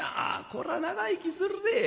こらぁ長生きするで。